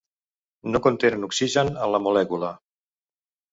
No contenen oxigen en la molècula.